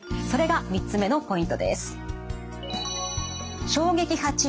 それが３つ目のポイントです。